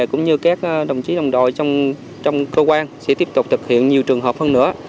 cũng như các đồng chí đồng đội trong cơ quan sẽ tiếp tục thực hiện nhiều trường hợp hơn nữa